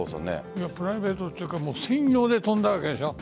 プライベートというか専用で飛んだわけでしょう。